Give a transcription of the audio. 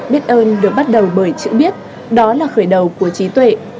biết ơn được bắt đầu bởi chữ biết đó là khởi đầu của trí tuệ